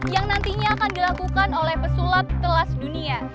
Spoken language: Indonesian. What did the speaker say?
yang nantinya akan dilakukan oleh pesulap kelas dunia